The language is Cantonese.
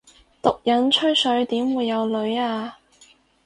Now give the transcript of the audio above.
毒撚吹水點會有女吖